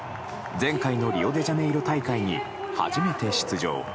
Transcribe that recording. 前回のリオデジャネイロ大会に初めて出場。